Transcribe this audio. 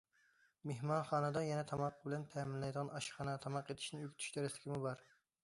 مېھمانخانىدا يەنە تاماق بىلەن تەمىنلەيدىغان ئاشخانا، تاماق ئېتىشنى ئۆگىتىش دەرسلىكىمۇ بار.